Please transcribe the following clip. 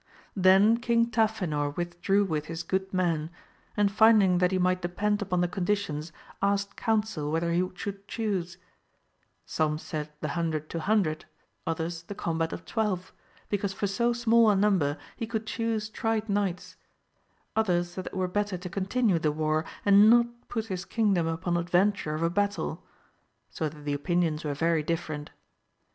Then King Tafinor withdrew with his good men, and finding that he might depend upon the conditions, asked counsel whether he should chuse : some said the hundred to hundred, others the combat of twelve, because for so small a number he could chuse tried knights, others that it were better to continue the war and not put his kingdom upon adventure of a battle ! so that the opinions were very diflFerent.